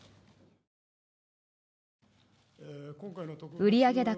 売上高